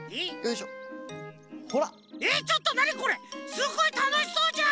すごいたのしそうじゃん！